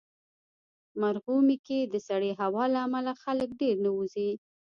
مرغومی کې د سړې هوا له امله خلک ډېر نه وځي.